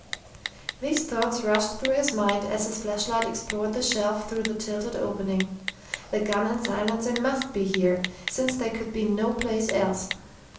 These thoughts rushed through his mind as his flashlight explored the shelf through the tilted opening. The gun and silencer must be here, since they could be no place else!...